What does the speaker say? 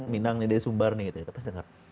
minang dari sumbar gitu pasti dengar